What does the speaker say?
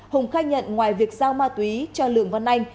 hùng khai nhận ngoài việc giao ma túy cho lường văn anh